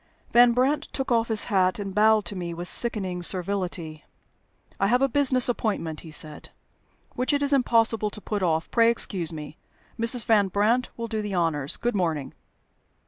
Van Brandt took off his hat, and bowed to me with sickening servility. "I have a business appointment," he said, "which it is impossible to put off. Pray excuse me. Mrs. Van Brandt will do the honors. Good morning."